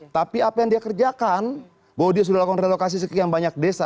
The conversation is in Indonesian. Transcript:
tapi apa yang dia kerjakan bahwa dia sudah lakukan relokasi sekian banyak desa